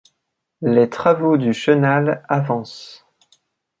Les travaux du chenal avancent.